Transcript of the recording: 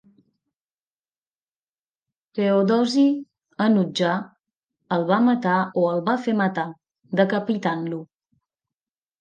Teodosi, enutjar, el va matar o el va fer matar, decapitant-lo.